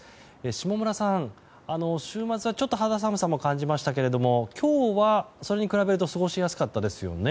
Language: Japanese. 下村さん、週末はちょっと肌寒さも感じましたけども今日はそれに比べると過ごしやすかったですよね。